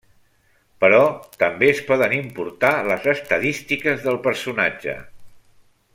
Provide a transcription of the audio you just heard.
Però també es poden importar les estadístiques del personatge.